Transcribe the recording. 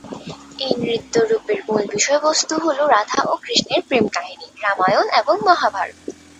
এই নৃত্য রূপের মূল বিষয়বস্তু হল রাধা ও কৃষ্ণের প্রেম কাহিনী, রামায়ণ এবং মহাভারত।